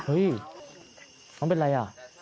หึน้องเป็นไรหรอ